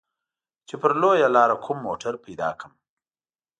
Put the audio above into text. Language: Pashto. چې پر لويه لاره کوم موټر پيدا کړم.